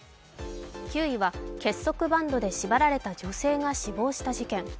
９位は結束バンドで縛られた女性が死亡した事件。